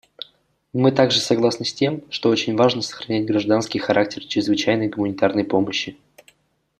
Мы также согласны с тем, что очень важно сохранять гражданский характер чрезвычайной гуманитарной помощи.